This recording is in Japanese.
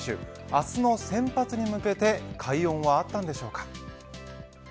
明日の先発に向けて快音はあったのでしょうか。